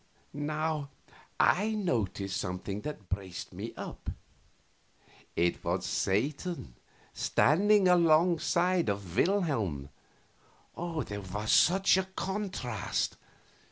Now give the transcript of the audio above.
Now I noticed something that braced me up. It was Satan standing alongside of Wilhelm! And there was such a contrast!